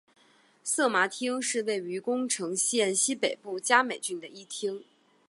色麻町是位于宫城县西北部加美郡的一町。